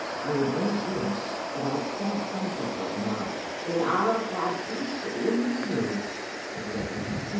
I would bring it here, but I cannot come so far to morrow." " Then I'll hae peace to the end o' my days," said the old woman, " and.